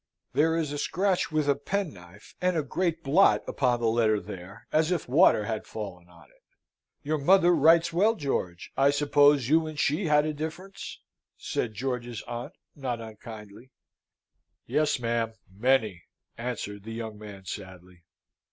"There is a scratch with a penknife, and a great blot upon the letter there, as if water had fallen on it. Your mother writes well, George. I suppose you and she had a difference?" said George's aunt, not unkindly. "Yes, ma'am, many," answered the young man, sadly.